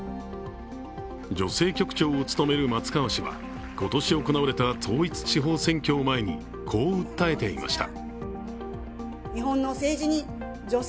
女性局長を務める松川氏は、今年行われた統一地方選挙を前にこう訴えていました。